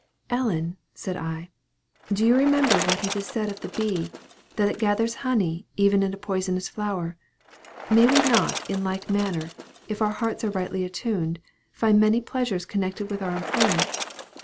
"Ellen," said I, "do you remember what is said of the bee, that it gathers honey even in a poisonous flower? May we not, in like manner, if our hearts are rightly attuned, find many pleasures connected with our employment?